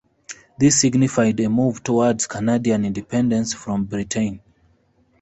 This signified a move towards Canadian independence from Britain.